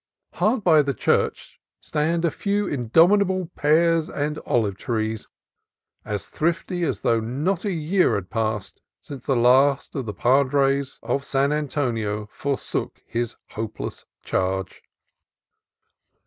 Hard by the church stand a few indomitable pear and olive trees, as thrifty as though not a year had passed since the last of the padres of San Antonio forsook his hopeless charge.